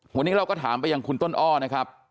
วันนี้เราก็ถามไปยังคุณต้นอ้อนะครับ